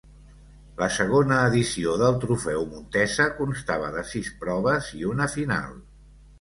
La segona edició del Trofeu Montesa constava de sis proves i una final.